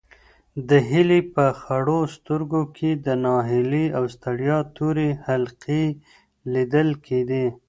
د هیلې په خړو سترګو کې د ناهیلۍ او ستړیا تورې حلقې لیدل کېدې.